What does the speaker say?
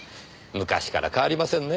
昔から変わりませんね